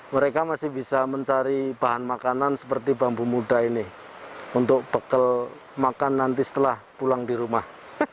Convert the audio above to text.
mereka masih bisa mencari bahan makanan seperti bambu muda ini untuk bekal makan nanti setelah pulang di rumah